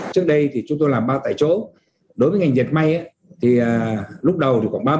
trước đây thì chúng tôi làm ba tại chỗ đối với ngành diệt may thì lúc đầu thì khoảng ba mươi